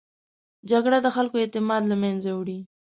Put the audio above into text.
جګړه د خلکو اعتماد له منځه وړي